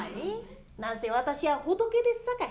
なんせ私は仏ですさかい。